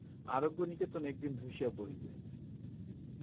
আরোগ্য নিকেতন একদিন ধসিয়া পড়িবে।